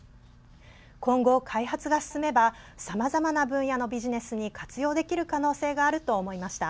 今後、開発が進めばさまざまな分野のビジネスに活用できる可能性があると思いました。